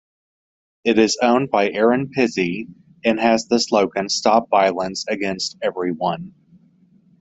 It is owned by Erin Pizzey and has the slogan "Stop Violence Against Everyone".